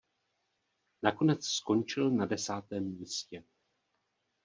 Nakonec skončil na desátém místě.